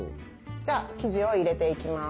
じゃあ生地を入れていきます。